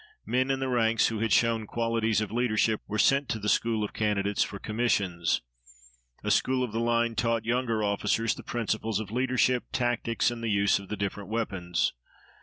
Men in the ranks who had shown qualities of leadership were sent to the school of candidates for commissions. A school of the line taught younger officers the principles of leadership, tactics, and the use of the different weapons.